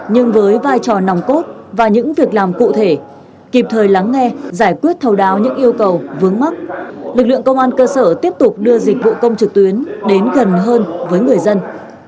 nhưng với vai trò nòng cốt và những việc làm cụ thể kịp thời lắng nghe giải quyết thầu đáo những yêu cầu vướng mắt lực lượng công an cơ sở tiếp tục đưa dịch vụ công trực tuyến đến gần hơn với người dân